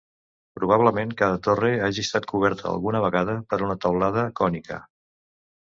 Probablement cada torre hagi estat coberta alguna vegada per una teulada cònica.